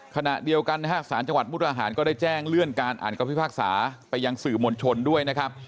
ขณะเดียวกันนะฮะสารจังหวัดมุทหารก็ได้แจ้งเลื่อนการอ่านคำพิพากษาไปยังสื่อมวลชนด้วยนะครับ